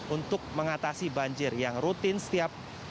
untuk mengatasi banjir yang rutin setiap